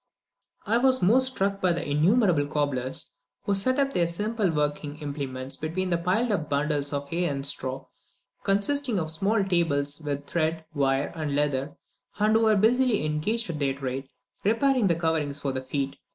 I was most struck by the innumerable cobblers, who set up their simple working implements between the piled up bundles of hay and straw, consisting of small tables with thread, wire, and leather, and who were busily engaged at their trade, repairing the coverings for the feet.